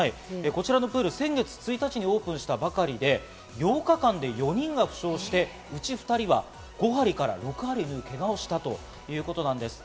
こちらのプール、先月１日にオープンしたばかりで、８日間で４人が負傷して、うち２人は５針から６針縫うけがをしたということなんです。